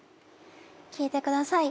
聴いてください